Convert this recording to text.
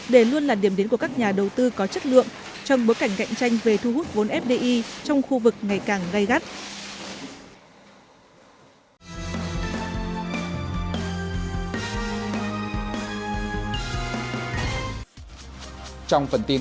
để luôn là điểm đến của các nhà đầu tư có chất lượng trong bối cảnh cạnh tranh về thu hút vốn fdi trong khu vực ngày càng gây gắt